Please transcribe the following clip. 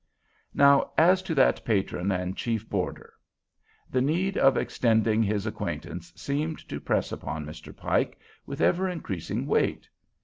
Now as to that patron and chief boarder. The need of extending his acquaintance seemed to press upon Mr. Pike with ever increasing weight.